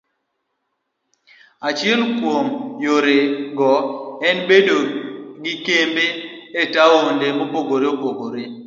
Achiel kuom yorego en bedo gi kembe e taonde mopogore opogore.